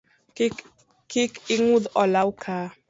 Kik ing’udh olawo ka